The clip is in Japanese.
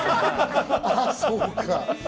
あっ、そうか。